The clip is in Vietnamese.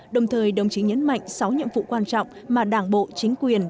đồng thời đồng chí nhấn mạnh sáu nhiệm vụ quan trọng mà đảng bộ chính quyền